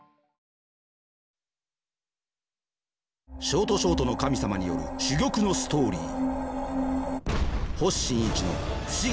ショートショートの神様による珠玉のストーリー。